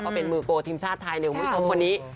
ก็เป็นมือโกทิมชาติไทยหนึ่งของคุณผู้ชมคนนี้